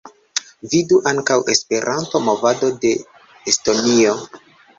Vidu ankaŭ Esperanto-movado de Estonio.